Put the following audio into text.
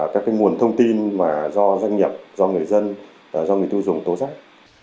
các nguồn thông tin do doanh nghiệp do người dân do người tiêu dùng tố giác